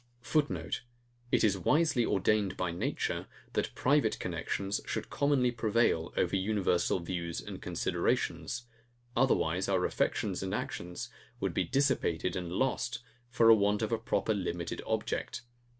[Footnote: It is wisely ordained by nature, that private connexions should commonly prevail over univeral views and considerations; otherwise our affections and actions would be dissopated and lost, for want of a proper limited object.